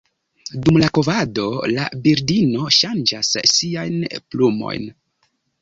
Dum la kovado la birdino ŝanĝas siajn plumojn.